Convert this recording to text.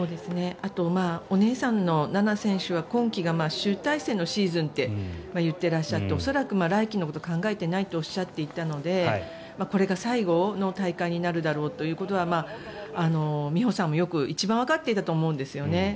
あとお姉さんの菜那選手は今季が集大成のシーズンと言ってらっしゃって恐らく来季のことを考えていないとおっしゃっていたのでこれが最後の大会になるだろうということは美帆さんも一番わかっていたと思うんですね。